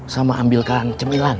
sama ambilkan cemilan